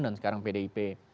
dan sekarang pdip